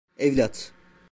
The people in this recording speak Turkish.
Evlat!